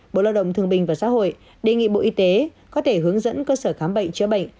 bộ lao động thương bình và xã hội đề nghị bộ y tế có thể hướng dẫn cơ sở khám bệnh chữa bệnh